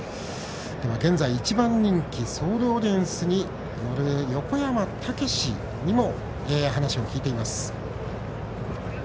現在１番人気ソールオリエンスに乗る横山武史にも話を聞いています。